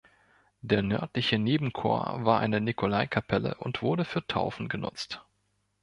Der nördliche Nebenchor war eine Nikolaikapelle und wurde für Taufen genutzt.